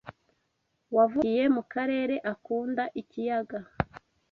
wavukiye mu Karere akunda Ikiyaga